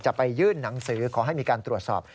ไปยื่นหนังสือขอให้มีการตรวจสอบ